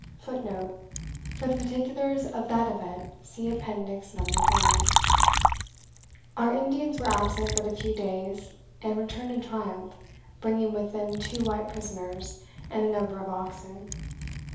[Footnote: For the particulars of that event, see Appendix, No. 1.] Our Indians were absent but a few days, and returned in triumph, bringing with them two white prisoners, and a number of oxen.